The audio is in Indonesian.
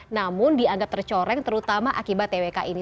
namun dianggap tercoreng terutama akibat twk ini